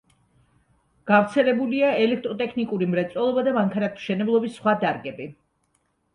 გავრცელებულია ელექტროტექნიკური მრეწველობა და მანქანათმშენებლობის სხვა დარგები.